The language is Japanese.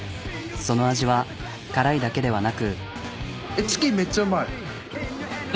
その味は辛いだけではなく。